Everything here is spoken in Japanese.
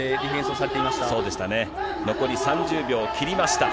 残り３０秒を切りました。